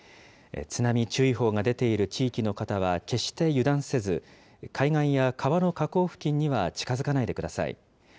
津波注意報が出ている地域の方は、決して油断せず、海岸や川の河口付近には近づかないでください。